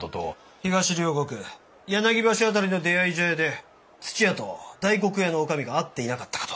東両国柳橋辺りの出会い茶屋で屋と大黒屋のおかみが会っていなかったかと。